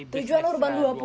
tujuan urban dua puluh